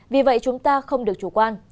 vì vậy chúng ta không được chủ quan